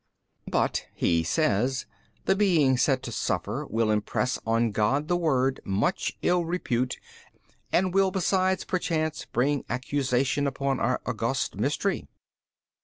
B. But (he says) the being said to suffer will impress on God the Word much ill repute and will besides perchance bring accusation upon our august mystery.